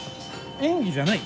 演技じゃないの？